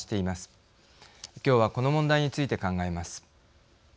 きょうはこの問題について考えます。